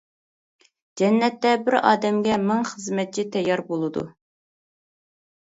جەننەتتە بىر ئادەمگە مىڭ خىزمەتچى تەييار بولىدۇ.